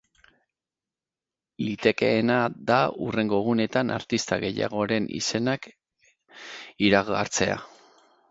Litekeena da hurrengo egunetan artista gehiagoren izenak iragartzea.